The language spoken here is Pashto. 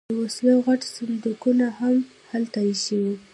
د وسلو غټ صندوقونه هم هلته ایښي وو